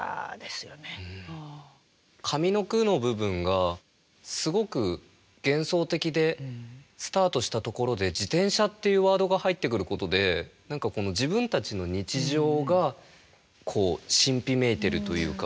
上の句の部分がすごく幻想的でスタートしたところで「自転車」っていうワードが入ってくることで何かこの自分たちの日常が神秘めいてるというか。